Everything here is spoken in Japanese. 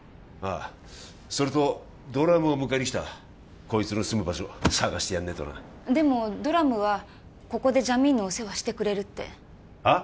あそれとドラムを迎えに来たこいつの住む場所探してやんねえとなでもドラムはここでジャミーンのお世話してくれるってはっ？